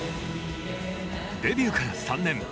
デビューから３年。